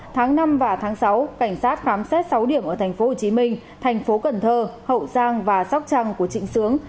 tháng năm và tháng sáu cảnh sát khám xét sáu điểm ở tp hcm tp cn hậu giang và sóc trăng của trịnh sướng